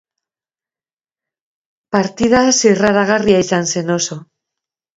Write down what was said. Partida zirraragarria izan zen oso.